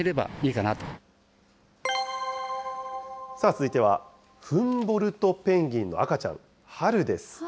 続いては、フンボルトペンギンの赤ちゃん、ハルです。